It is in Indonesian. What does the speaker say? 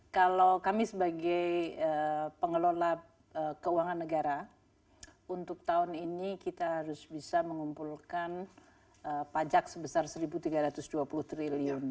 kalau kami sebagai pengelola keuangan negara untuk tahun ini kita harus bisa mengumpulkan pajak sebesar rp satu tiga ratus dua puluh triliun